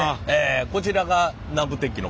こちらが南部鉄器の工場で？